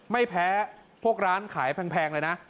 ไม่แพ้พวกร้านขายแพงเลยนะ